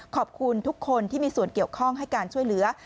ขอบคุณทุกคนที่มีส่วนเกี่ยวข้องให้การช่วยเหลือ